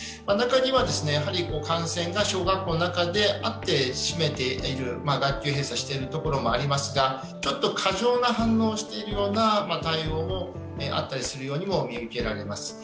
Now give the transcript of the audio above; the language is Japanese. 中には、やはり感染が小学校の中であって、閉めている、学級閉鎖しているところもありますが、ちょっと過剰な反応をしているような対応もあったりするようにも見受けられます。